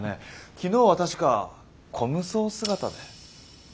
昨日は確か虚無僧姿で。